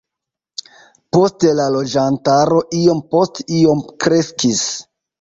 Poste la loĝantaro iom post iom kreskis.